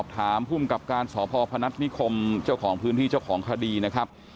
ทุกผู้ชมครับ